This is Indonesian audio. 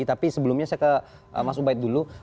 tapi sebelumnya saya ke mas ubaid dulu